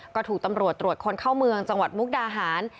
ก็ถูกตำรวจตรวจคนเข้าเมืองจังหวัดมุกดาหาร